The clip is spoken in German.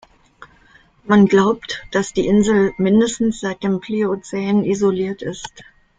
Man glaubt, dass die Insel mindestens seit dem Pliozän isoliert ist.